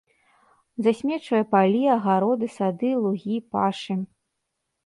Засмечвае палі, агароды, сады, лугі, пашы.